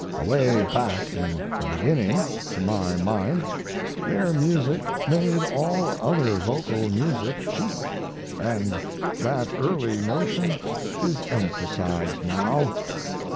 Away back in the beginning to my mind their music made all other vocal music cheap; & that early notion is emphasized now.